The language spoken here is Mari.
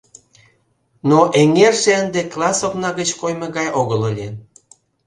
Но эҥерже ынде класс окна гыч коймо гай огыл ыле.